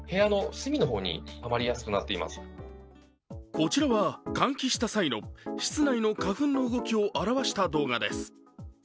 こちらは換気した際の室内の花粉の動きを表した動画です。